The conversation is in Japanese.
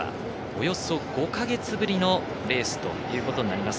およそ５か月ぶりのレースということになります。